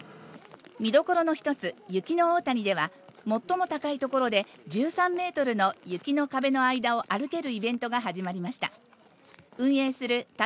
見どころの一つ、雪の大谷では最も高いところで１３メートルの雪の壁の間を歩けるイベントが始まりました。